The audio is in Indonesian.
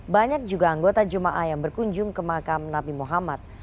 banyak juga anggota jemaah yang berkunjung ke makam nabi muhammad